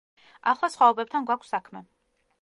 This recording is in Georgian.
ახლა სხვაობებთან გვაქვს საქმე.